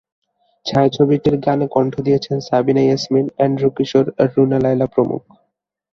ছায়াছবিটির গানে কণ্ঠ দিয়েছেন সাবিনা ইয়াসমিন, এন্ড্রু কিশোর, রুনা লায়লা প্রমুখ।